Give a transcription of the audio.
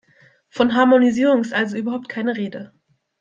Von Harmonisierung ist also überhaupt keine Rede.